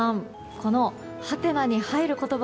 このはてなに入る言葉